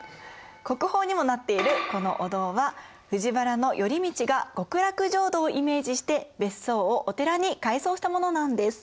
国宝にもなっているこのお堂は藤原頼通が極楽浄土をイメージして別荘をお寺に改装したものなんです。